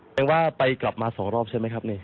คงว่าไปกลับมาสองรอบใช่ไหมครับ